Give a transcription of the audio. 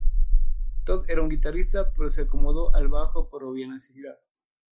Todd era guitarrista, pero se acomodó al bajo por obvia necesidad.